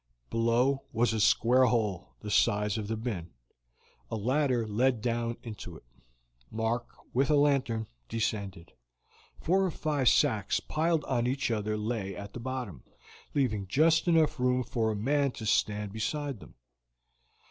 Below was a square hole, the size of the bin; a ladder led down into it. Mark, with a lantern, descended. Four or five sacks piled on each other lay at the bottom, leaving just room enough for a man to stand beside them.